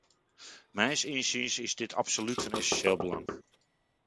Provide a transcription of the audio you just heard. Mijns inziens is dit absoluut van essentieel belang.